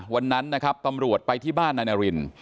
วันนั้นนะครับตำรวจไปที่บ้านนายนาริน